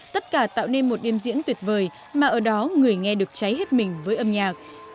tất cả tạo nên một đêm diễn tuyệt vời mà ở đó người nghe được cháy hết mình với âm nhạc